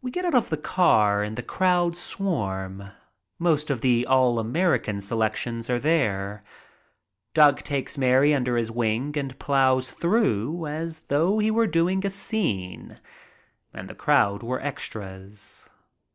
We get out of the car and the crowds swarm. Most of the "all American" selections are there. Doug takes Mary under his wing and plows through as though he were doing a scene and the crowd were extras.